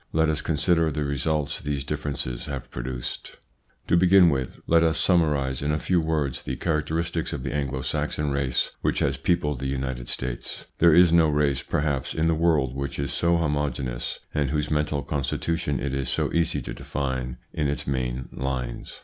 Let us consider the results these differences have produced. To begin with, let us summarise in a few words the characteristics of the Anglo Saxon race which has peopled the United States. There is no race, perhaps, in the world which is so homogeneous, and whose mental constitution it is so easy to define in its main lines.